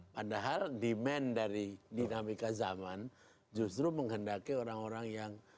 padahal demand dari dinamika zaman justru menghendaki orang orang yang